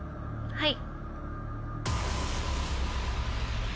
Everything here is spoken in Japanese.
はい。